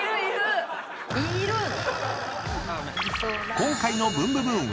［今回の『ブンブブーン！』は］